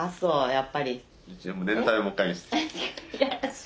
やっぱり。